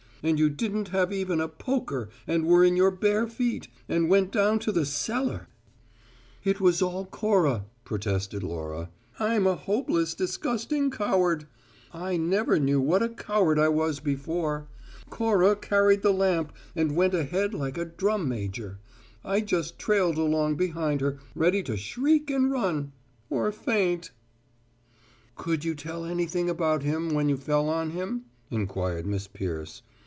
And you didn't have even a poker and were in your bare feet and went down in the cellar " "It was all Cora," protested Laura. "I'm a hopeless, disgusting coward. I never knew what a coward I was before. Cora carried the lamp and went ahead like a drum major. I just trailed along behind her, ready to shriek and run or faint!" "Could you tell anything about him when you fell on him?" inquired Miss Peirce.